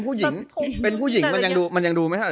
เพราะเป็นผู้หญิงมันยังดูไหม